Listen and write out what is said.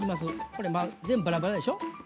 これ全部バラバラでしょ？